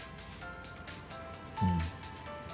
うん。